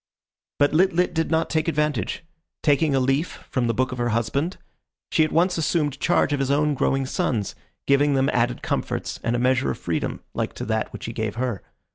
But Lit lit did not take advantage. Taking a leaf from the book of her husband, she at once assumed charge of his own growing sons, giving them added comforts and a measure of freedom like to that which he gave her.